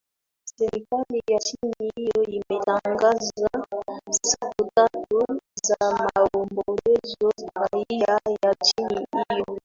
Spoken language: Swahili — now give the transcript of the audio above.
serikali ya nchi hiyo imetangaza siku tatu za maombolezo raia wa nchi hiyo